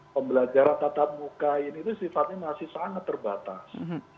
pembelajaran tatap muka ini itu sifatnya masih sangat terbatas